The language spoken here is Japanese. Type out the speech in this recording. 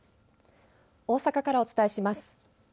大阪からお伝えします。